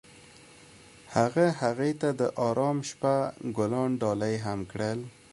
هغه هغې ته د آرام شپه ګلان ډالۍ هم کړل.